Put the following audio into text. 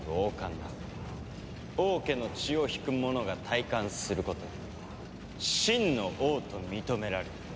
王家の血を引く者が戴冠することで真の王と認められる。